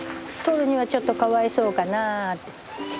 とるにはちょっとかわいそうかな。